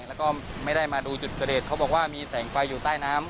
แล้วก็ไม่ได้มาดูจุดเกิดเหตุเขาบอกว่ามีแสงไฟอยู่ใต้น้ำ